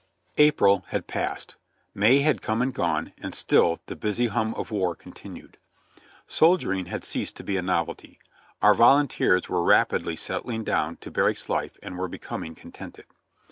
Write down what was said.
April had passed; May had come and gone and still the busy hum of war continued. Soldiering had ceased to be a novelty. Our volunteers were rapidly settling down to barracks life and were becoming contented.